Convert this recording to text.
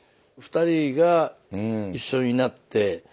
２人が一緒になって。